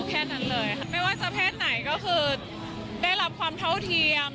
แค่นั้นเลยค่ะไม่ว่าจะเพศไหนก็คือได้รับความเท่าเทียม